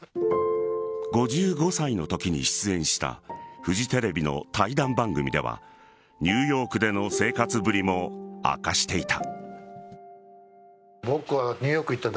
５５歳のときに出演したフジテレビの対談番組ではニューヨークでの生活ぶりも明かしていた。